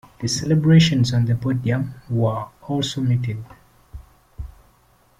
The celebrations on the podium were also muted.